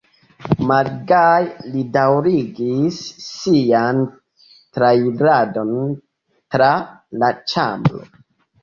Malgaje li daŭrigis sian trairadon tra la ĉambro.